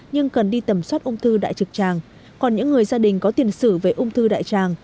nhưng cần đi tầm soát ung thư đại trực tràng còn những người gia đình có tiền sử về ung thư đại tràng